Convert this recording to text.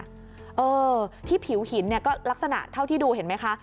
เออที่ผิวหินเนี่ยก็ลักษณะเท่าที่ดูเห็นไหมคะ